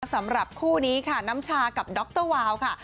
สำหรับคู่นี้ค่ะน้ำชากับดรวาวค่ะ